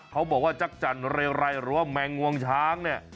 เขาบอกว่าจักรจันทร์หรือว่าแมงงวงช้าง